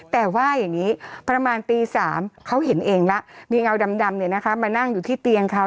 แต่ว่าอย่างนี้ประมาณตี๓เขาเห็นเองแล้วมีเงาดำมานั่งอยู่ที่เตียงเขา